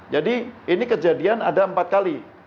jadi ini kejadian ada empat kali